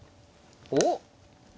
おっ。